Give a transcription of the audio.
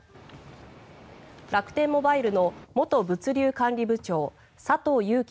楽天モバイルの元物流管理部長佐藤友紀